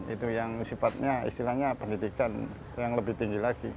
itu yang sifatnya istilahnya pendidikan yang lebih tinggi lagi